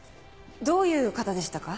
どういう方でしたか？